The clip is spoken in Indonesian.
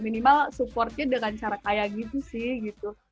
minimal supportnya dengan cara kayak gitu sih gitu